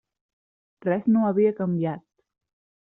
Res no havia canviat.